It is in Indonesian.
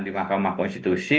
di mahkamah konstitusi